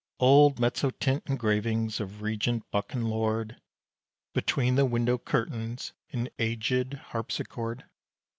Old mezzotint engravings of Regent, buck and lord, Between the window curtains, an agèd harpsichord.